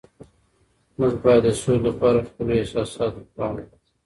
موږ باید د سولي لپاره خپلو احساساتو ته پام وکړو.